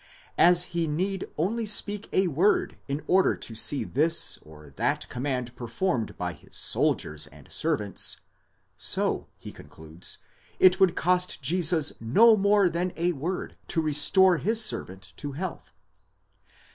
As he need only speak a word in order to see this or that command performed by his soldiers and servants, so, he concludes, it would cost Jesus no more than a word to restore his servant to health.